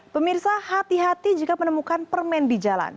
pemirsa hati hati jika menemukan permen di jalan